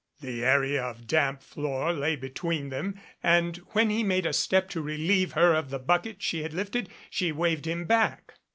The area of damp floor lay betwee'n them and when he made a step to relieve her of the bucket she had lifted, she waved him back.